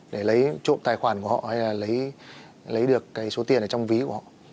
để lấy trộm tài khoản của họ hay lấy được số tiền trong ví của họ